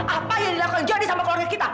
apa yang dilakukan johnny sama keluarga kita